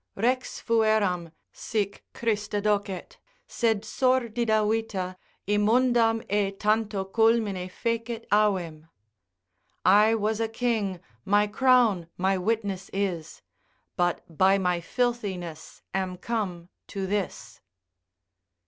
Rex fueram, sic crista docet, sed sordida vita Immundam e tanto culmine fecit avem. I was a king, my crown my witness is, But by my filthiness am come to this.